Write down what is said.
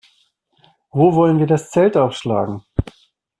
Wo wollen wir das Zelt aufschlagen?